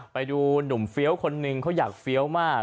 ไปดูหนุ่มเฟี้ยวคนนึงเขาอยากเฟี้ยวมาก